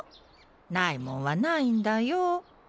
ないもんはないんだよ。